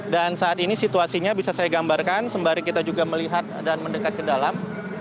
saat ini situasinya bisa saya gambarkan sembari kita juga melihat dan mendekat ke dalam